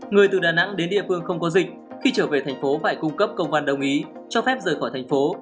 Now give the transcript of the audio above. người từ đà nẵng đến địa phương không có dịch khi trở về thành phố phải cung cấp công an đồng ý cho phép rời khỏi thành phố